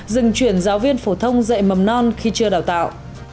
dừng chuyển giáo viên phổ thông dạy mầm non khi chưa đào tạo